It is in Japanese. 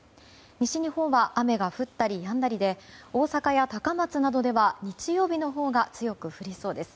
西日本は雨が降ったりやんだりで大阪や高松などでは日曜日のほうが強く降りそうです。